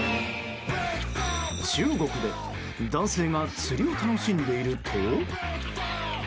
中国で男性が釣りを楽しんでいると。